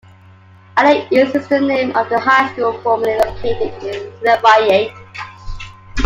Allen East is the name of the high school formerly located in Lafayette.